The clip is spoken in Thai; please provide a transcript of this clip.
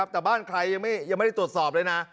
แต่บ้านใครยังไม่ได้ตรวจสอบเลยนะ